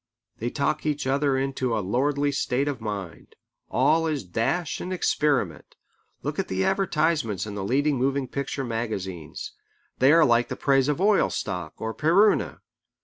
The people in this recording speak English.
They talk each other into a lordly state of mind. All is dash and experiment. Look at the advertisements in the leading moving picture magazines. They are like the praise of oil stock or Peruna.